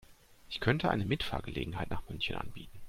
Ich könnte eine Mitfahrgelegenheit nach München anbieten